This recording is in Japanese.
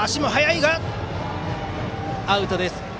アウトです。